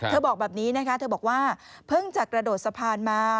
บอกแบบนี้นะคะเธอบอกว่าเพิ่งจะกระโดดสะพานมา